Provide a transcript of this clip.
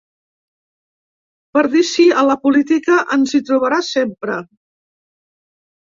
Per dir sí a la política, ens hi trobarà sempre.